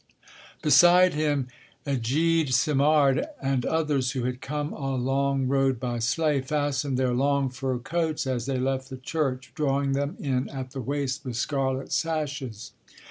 Beside him Egide Simard, and others who had come a long road by sleigh, fastened their long fur coats as they left the church, drawing them in at the waist with scarlet sashes.